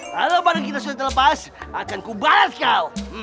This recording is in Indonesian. kalau baru kita sudah terlepas akan kubalas kau